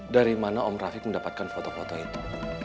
dari mana om rafiq mendapatkan foto foto itu